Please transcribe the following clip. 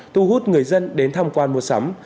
thu hút người dân đến tham quan mua sắm